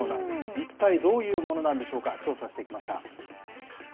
一体どういうものなんでしょうか、調査してきました。